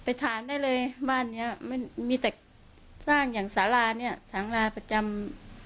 ไปถามได้เลยว่านี้สาราเนี่ยสาราประจำ